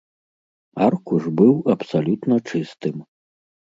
Аркуш быў абсалютна чыстым.